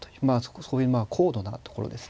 そういう高度なところです。